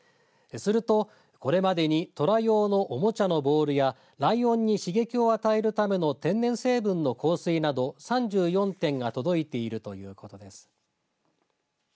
すると、これまでにトラ用のおもちゃのボールやライオンに刺激を与えるための天然成分の香水など３４点が届いているということです。